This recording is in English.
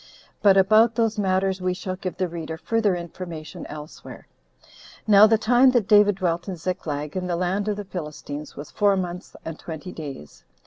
But about those matters we shall give the reader further information elsewhere. Now the time that David dwelt in Ziklag, in the land of the Philistines, was four months and twenty days.